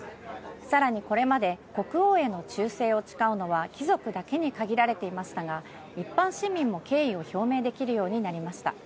さらにこれまで、国王への忠誠を誓うのは貴族だけに限られていましたが、一般市民も敬意を表明できるようになりました。